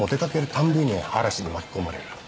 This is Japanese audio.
たびに嵐に巻き込まれる。